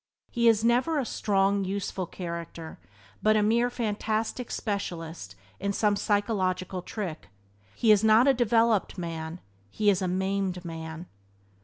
He is never a strong, useful character, but a mere fantastic specialist in some psychological trick. He is not a developed man, he is a maimed man.